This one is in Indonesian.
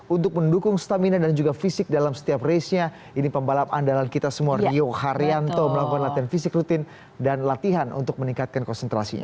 untuk mendukung stamina dan juga fisik dalam setiap race nya ini pembalap andalan kita semua rio haryanto melakukan latihan fisik rutin dan latihan untuk meningkatkan konsentrasinya